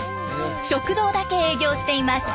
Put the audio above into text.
食堂だけ営業しています。